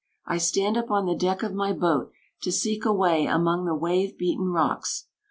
I stand up on the deck of my boat to seek a way among the wave beaten rocks.